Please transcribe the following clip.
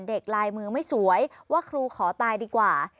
ลายมือไม่สวยว่าครูขอตายดีกว่า